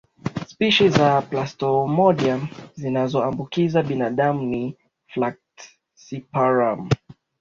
spishi za palsmodium zinazoambukiza binadamu ni falciparum